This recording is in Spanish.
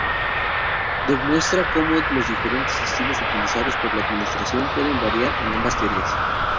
Demuestra cómo los diferentes estilos utilizados por la administración pueden variar en ambas teorías.